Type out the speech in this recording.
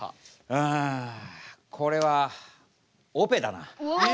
うんこれはオペだな。